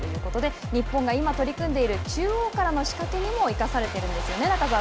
日本が今取り組んでいる中央からの仕掛けにも生かされているんですよね